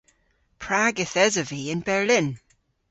Prag yth esov vy yn Berlin?